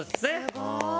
すごい！